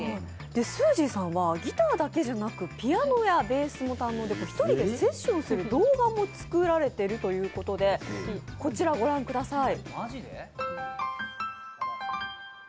すーじーさんはギターだけじゃなくピアノやベースもやられて、１人でセッションする動画も作られてるということでご覧ください。